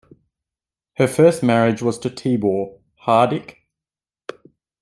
Her first marriage was to Tibor Hardik.